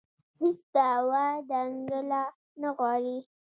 هېڅ دعوا دنګله نه غواړي